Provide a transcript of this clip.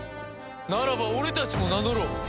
ならば俺たちも名乗ろう。